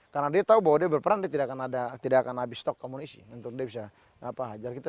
karena dia tahu bahwa dia berperan dia tidak akan habis stok amunisi untuk dia bisa hajar kita